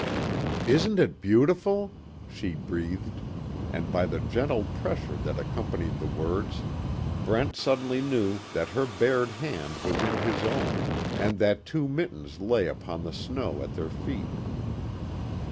"Isn't it beautiful?" she breathed, and by the gentle pressure that accompanied the words, Brent suddenly knew that her bared hand was in his own, and that two mittens lay upon the snow at their feet.